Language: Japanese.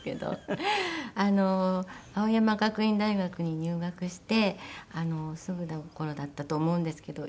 青山学院大学に入学してすぐの頃だったと思うんですけど。